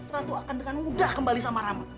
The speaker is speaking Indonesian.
ratu akan dengan mudah kembali sama rama